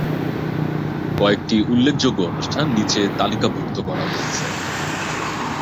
কয়েকটি উল্লেখযোগ্য অনুষ্ঠান নিচে তালিকাভুক্ত করা হয়েছে।